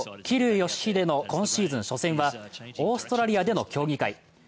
桐生祥秀の今シーズン初戦はオーストラリアでの競技会。